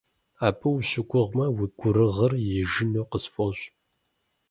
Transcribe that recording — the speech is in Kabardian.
Абы ущыгугъмэ, уи гурыгъыр ижыну къысфӀощӀ.